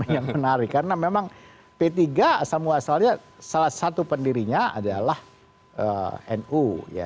yang menarik karena memang p tiga asal muasalnya salah satu pendirinya adalah nu